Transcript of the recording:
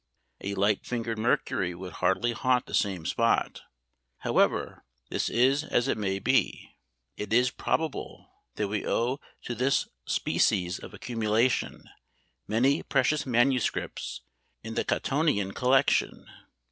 A light fingered Mercury would hardly haunt the same spot: however, this is as it may be! It is probable that we owe to this species of accumulation many precious manuscripts in the Cottonian collection.